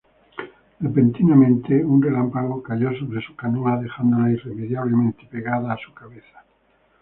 Repentinamente, un relámpago cayó sobre su canoa, dejándola irremediablemente pegada a su cabeza.